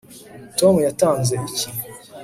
tom yatanze iki